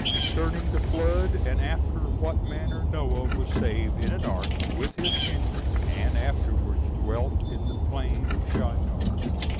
Concerning The Flood; And After What Manner Noah Was Saved In An Ark, With His Kindred, And Afterwards Dwelt In The Plain Of Shinar.